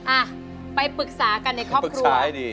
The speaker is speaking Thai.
อ่ะไปปรึกษากันในครอบครัว